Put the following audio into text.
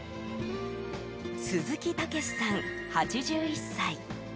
鈴木健之さん、８１歳。